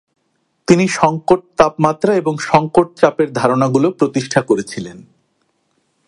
তিনি সংকট তাপমাত্রা এবং সংকট চাপের ধারণাগুলো প্রতিষ্ঠা করেছিলেন।